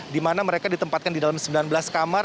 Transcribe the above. di mana mereka ditempatkan di dalam sembilan belas kamar